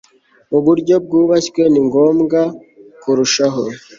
Mu buryo bwubashywe ni ngombwa kurushaho